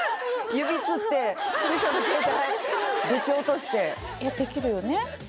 指つって鷲見さんの携帯ぶち落としてできるよね？